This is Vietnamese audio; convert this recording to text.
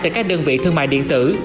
tại các đơn vị thương mại điện tử